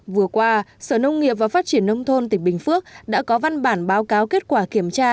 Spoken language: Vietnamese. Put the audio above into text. vừa qua sở nông nghiệp và phát triển nông thôn tỉnh bình phước đã có văn bản báo cáo kết quả kiểm tra